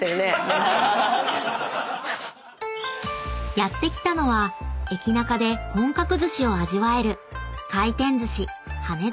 ［やって来たのは駅ナカで本格寿司を味わえる］